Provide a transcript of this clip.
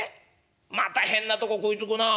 また変なとこ食いつくな。